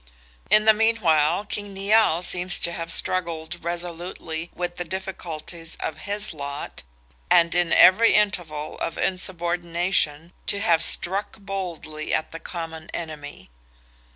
In the meanwhile King Nial seems to have struggled resolutely with the difficulties of his lot, and in every interval of insubordination to have struck boldly at the common enemy.